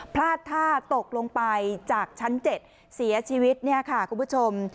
พลาดท่าตกลงไปจากชั้น๗เสียชีวิตเนี่ยค่ะคุณผู้ชม